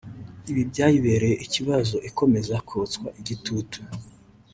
Ibi byayibereye ikibazo ikomeza kotswa igitutu